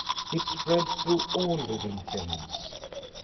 It spread through all liv ing things.